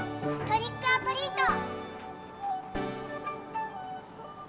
トリックオアトリート！